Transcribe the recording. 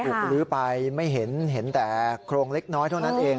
ลื้อไปไม่เห็นเห็นแต่โครงเล็กน้อยเท่านั้นเอง